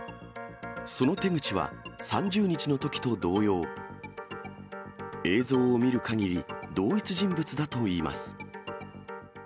その手口は３０日のときと同様、映像を見るかぎり、同一人物だといいます。